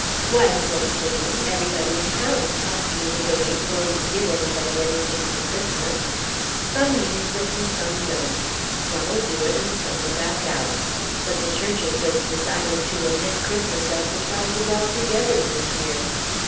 "Why," said Simeon, "everybody in town's talking that they ain't going to give anybody anything for Christmas. Some means it and some don't. Some'll do it and some'll back out. But the churches has decided to omit Christmas exercises altogether this year.